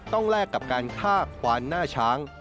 แลกกับการฆ่าควานหน้าช้าง